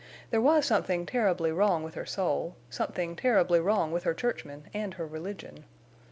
There was something terribly wrong with her soul, something terribly wrong with her churchmen and her religion.